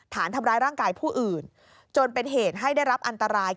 ฐานทำร้ายร่างกายผู้อื่นจนเป็นเหตุให้ได้รับอันตราย